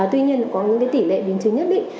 tuy nhiên có những tỷ lệ biến chứng nhất